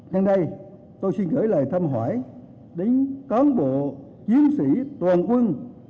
hôm nay tôi xin gửi lời thăm hỏi đến cán bộ chiến sĩ toàn quân